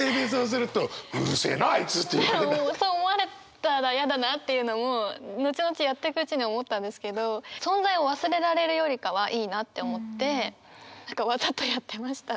そう思われたら嫌だなっていうのも後々やってくうちに思ったんですけど存在を忘れられるよりかはいいなって思って何かわざとやってましたね。